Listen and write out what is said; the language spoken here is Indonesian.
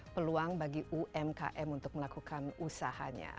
peluang bagi umkm untuk melakukan usahanya